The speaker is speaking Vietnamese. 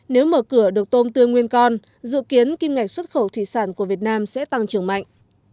nếu mở cửa được tôm tươi nguyên con dự kiến kim ngạch xuất khẩu thủy sản của việt nam sẽ tăng trưởng mạnh